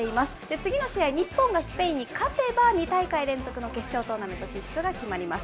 次の試合、日本がスペインに勝てば、２大会連続の決勝トーナメント進出が決まります。